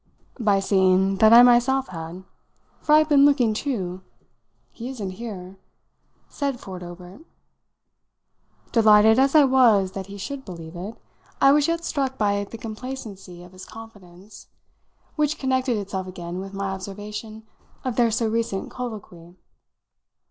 "By seeing that I myself had. For I've been looking too. He isn't here," said Ford Obert. Delighted as I was that he should believe it, I was yet struck by the complacency of his confidence, which connected itself again with my observation of their so recent colloquy.